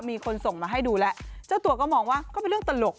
มีคนส่งมาให้ดูแล้วเจ้าตัวก็มองว่าก็เป็นเรื่องตลก